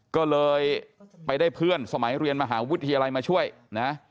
ก็เลยไปได้เพื่อนสมัยเรียนมหาวิทยาลัยมาช่วยนะ